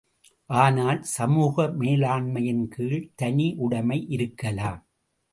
ஆனால் சமூக மேலாண்மையின் கீழ் தனி உடைமை இருக்கலாம்.